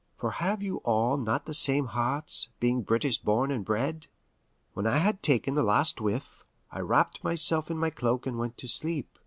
For have you all not the same hearts, being British born and bred? When I had taken the last whiff, I wrapped myself in my cloak and went to sleep.